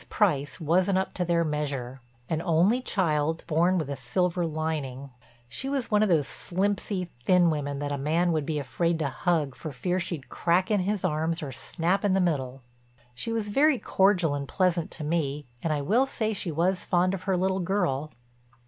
Price wasn't up to their measure—an only child, born with a silver lining. She was one of those slimpsy, thin women that a man would be afraid to hug for fear she'd crack in his arms or snap in the middle. She was very cordial and pleasant to me and I will say she was fond of her little girl.